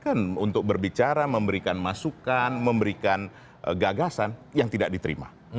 bukan untuk berbicara memberikan masukan memberikan gagasan yang tidak diterima